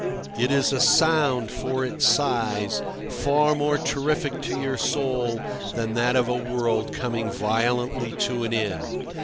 It is a sound, for its size, far more terrific to your soul than that of a world coming violently to an end.